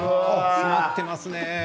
詰まっていますね。